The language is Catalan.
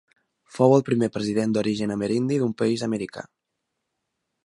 Fou el primer president d'origen amerindi d'un país d'Amèrica.